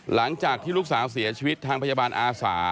หลังจากที่ลูกสาวเสียชีวิตทางพยาบาลอาสา